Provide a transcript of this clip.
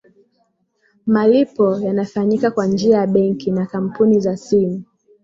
malipo yanafanyika kwa njia ya benki na kampuni za simu